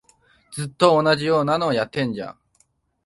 ずっと同じようなのやってんじゃん